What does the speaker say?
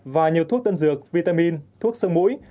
và nhiều thuốc tân dược vitamin thuốc sơn mũi